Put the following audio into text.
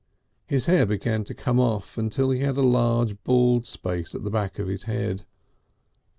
His hair began to come off until he had a large bald space at the back of his head.